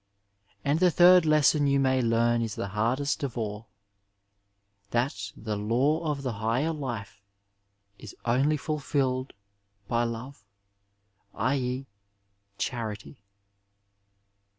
And the third lesson you may learn is the hardest of all — that the law of the higher life is only ftdfiUed by loue, ».6. charity.